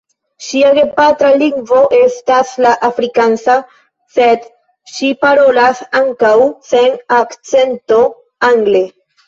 Ŝia gepatra lingvo estas la afrikansa, sed ŝi parolas ankaŭ sen akcento angle.